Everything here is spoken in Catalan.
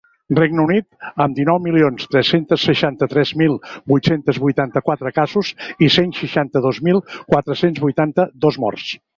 Regne Unit, amb dinou milions tres-cents setanta-tres mil vuit-cents vuitanta-quatre casos i cent seixanta-dos mil quatre-cents vuitanta-dos morts.